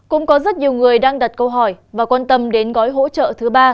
cũng có rất nhiều người đang đặt câu hỏi và quan tâm đến gói hỗ trợ thứ ba